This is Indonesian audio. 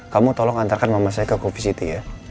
kamu tolong antarkan mama saya ke covisity ya